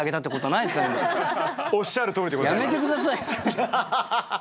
やめて下さい！